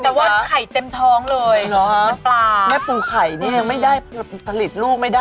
แต่ว่าไข่เต็มท้องเลยแม่ปลาแม่ปรุงไข่ไม่ได้ผลิตลูกไม่ได้